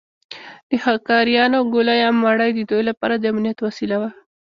د ښکاریانو ګوله یا مړۍ د دوی لپاره د امنیت وسیله وه.